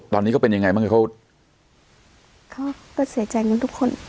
ตอนนี้ก็เป็นยังไงบ้างเขาก็เสียใจกันทุกคน